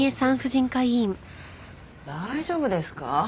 大丈夫ですか？